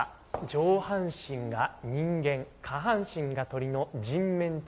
上半身が人間下半身が鳥の人面鳥